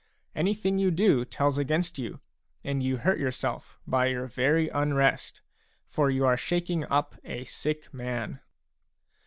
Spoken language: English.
Anything you do tells against you, and you hurt yourself by your very unrest ; for you are shaking up a sick man.